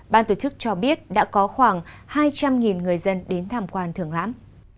ban tổ chức cho biết đã có khoảng hai trăm linh người dân đến tham quan thường lãm